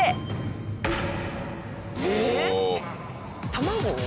卵？